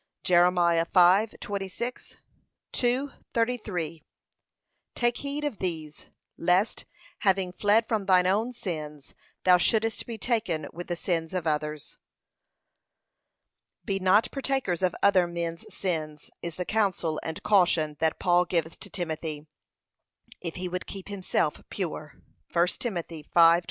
(Jer. 5:26; 2:33) Take heed of these, lest, having fled from thine own sins, thou shouldest be taken with the sins of others. 'Be not partakers of other men's sins,' is the counsel and caution that Paul giveth to Timothy, if he would keep himself pure. (1 Tim. 5:22) 4.